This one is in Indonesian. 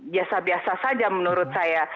biasa biasa saja menurut saya